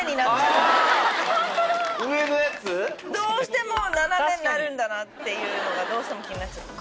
どうしても斜めになるんだなっていうのがどうしても気になっちゃって。